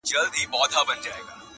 • کشر ځان ته په چورتونو کي پاچا وو -